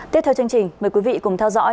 tiếp theo chương trình mời quý vị cùng theo dõi